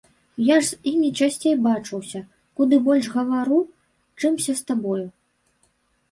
Я ж з імі часцей бачуся, куды больш гавару, чымся з табою.